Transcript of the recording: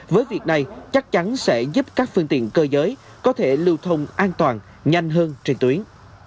với việc này chắc chắn sẽ giúp các phương tiện cơ giới có thể lưu thông an toàn nhanh hơn trên tuyến